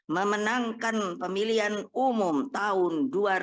memenangkan pemilihan umum tahun dua ribu dua puluh empat